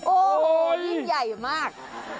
โอ้โหยิ่งใหญ่มาก